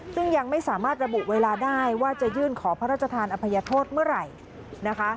ซึ่งยังไม่สามารถระบุเวลาได้ว่าจะยื่นขอพระราชทานอภัยโทษเมื่อไหร่นะคะ